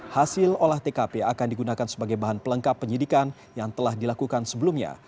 hasil olah tkp akan digunakan sebagai bahan pelengkap penyidikan yang telah dilakukan sebelumnya